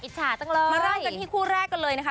มาเริ่มกันที่คู่แรกกันเลยนะคะ